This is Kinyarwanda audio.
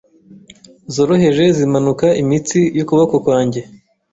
zoroheje zimanuka imitsi yukuboko kwanjye